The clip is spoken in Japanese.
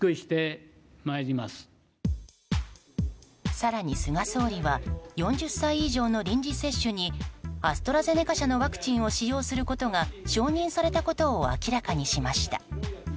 更に、菅総理は４０歳以上の臨時接種にアストラゼネカ社のワクチンを使用することが承認されたことを明らかにしました。